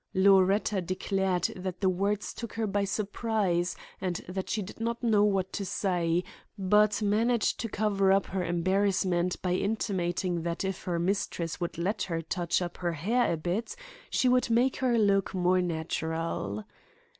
Loretta declared that the words took her by surprise and that she did not know what to say, but managed to cover up her embarrassment by intimating that if her mistress would let her touch up her hair a bit she would make her look more natural.